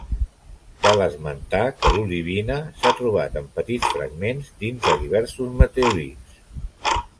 Cal esmentar que l'olivina s'ha trobat en petits fragments dins de diversos meteorits.